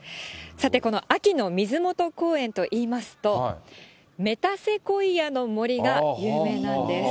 さて、この秋の水元公園といいますと、メタセコイヤの森が有名なんです。